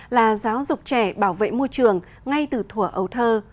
là giáo dục trẻ bảo vệ môi trường ngay từ thủa ấu thơ